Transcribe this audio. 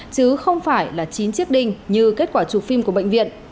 chứ không phải là chín chiếc đinh như kết quả chụp phim của bệnh viện